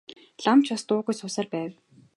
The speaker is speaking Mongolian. Лам ч бас дуугүй суусаар байв.